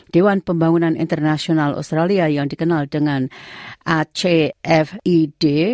dewan pembangunan internasional australia yang dikenal dengan acfid